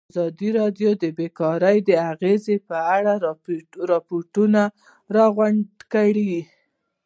ازادي راډیو د بیکاري د اغېزو په اړه ریپوټونه راغونډ کړي.